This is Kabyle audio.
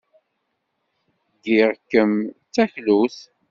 Ggiɣ-kem d taklut.